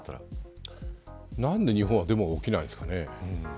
何で日本はデモが起きないんですかね。